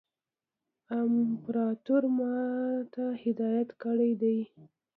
امپراطور ما ته هدایت کړی دی.